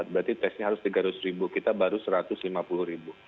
berarti tesnya harus tiga ratus ribu kita baru satu ratus lima puluh ribu